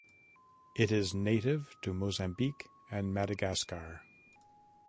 It is native to Mozambique and Madagascar.